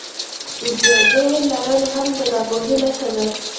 جهل لرل هم د ناپوهۍ نښه ده.